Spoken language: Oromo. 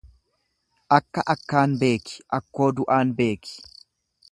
Akka akkaan beeki akkoo du'aan beeki.